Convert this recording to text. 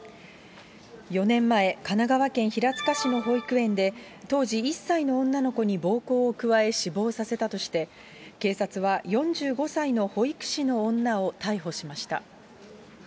４年前、神奈川県平塚市の保育園で当時１歳の女の子に暴行を加え死亡させたとして、警察は４５歳の保育士の女を逮捕しました。